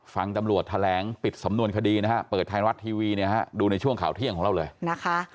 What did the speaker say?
ฟังตำรวจแถลงปิดสำนวนคดีเปิดไทยวัดทีวีดูในช่วงข่าวเที่ยงของเราเลย